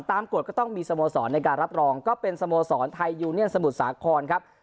กฎก็ต้องมีสโมสรในการรับรองก็เป็นสโมสรไทยยูเนียนสมุทรสาครครับ